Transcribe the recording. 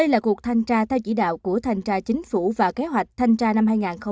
lãnh đạo của thanh cha chính phủ và kế hoạch thanh cha năm hai nghìn hai mươi hai